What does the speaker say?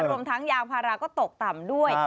รวมทั้งยางพาราก็ตกต่ำด้วย